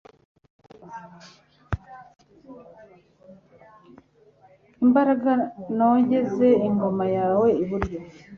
imbaraga, nogeze ingoma yawe iburyo